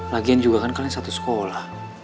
lagian juga kan kalian satu sekolah